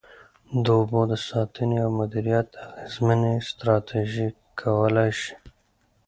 د اوبو د ساتنې او مدیریت اغیزمنې ستراتیژۍ کولای شي.